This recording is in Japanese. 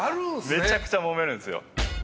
めちゃくちゃもめるんですよ。